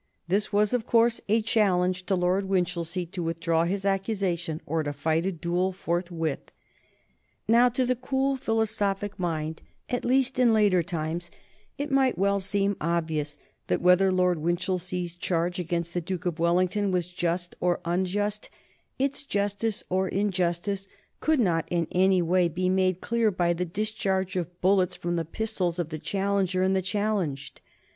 This was, of course, a challenge to Lord Winchilsea to withdraw his accusation or to fight a duel forthwith. Now, to the cool, philosophic mind, at least in later times, it might well seem obvious that whether Lord Winchilsea's charge against the Duke of Wellington was just or unjust, its justice or injustice could not in any way be made clear by the discharge of bullets from the pistols of the challenger and the challenged.